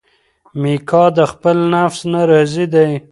میکا د خپل نفس نه راضي دی.